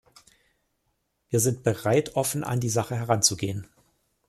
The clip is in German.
Wir sind bereit, offen an die Sache heranzugehen.